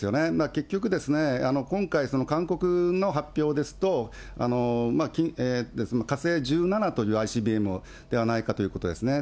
結局ですね、今回、韓国の発表ですと、火星１７というＩＣＢＭではないかということですね。